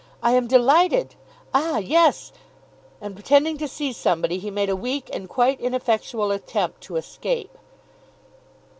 "I am delighted; ah, yes," and pretending to see somebody, he made a weak and quite ineffectual attempt to escape.